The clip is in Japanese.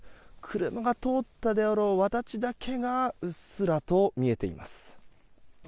車が通ったであろうわだちだけがうっすらと見えています。